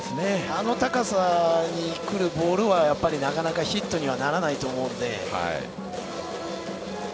あの高さにくるボールはなかなかヒットにならないと思うので。